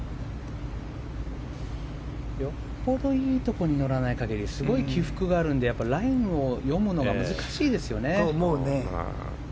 よほどいいところに乗らない限りすごい起伏があるので、ラインを読むのが難しいですよね。